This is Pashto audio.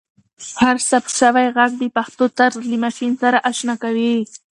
هر ثبت شوی ږغ د پښتو طرز له ماشین سره اشنا کوي.